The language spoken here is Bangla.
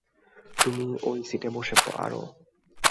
তুমি ওই সিটে বসে পারো।